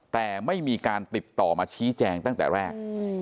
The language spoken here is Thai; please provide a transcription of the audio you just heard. แต่ไม่มีการติดต่อมาชี้แจงตั้งแต่แรก